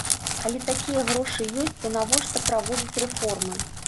Калі такія грошы ёсць, то навошта праводзіць рэформы?